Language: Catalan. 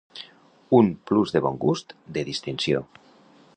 Un plus de bon gust, de distinció.